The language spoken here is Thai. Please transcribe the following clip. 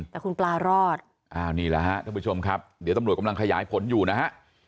นี่แหละครับท่านผู้ชมครับเดี๋ยวตำรวจกำลังขยายผลอยู่นะฮะ